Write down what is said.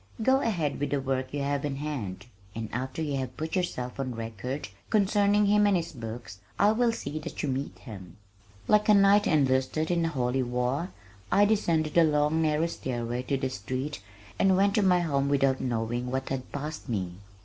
Go ahead with the work you have in hand, and after you have put yourself on record concerning him and his books I will see that you meet him." Like a knight enlisted in a holy war I descended the long narrow stairway to the street, and went to my home without knowing what passed me.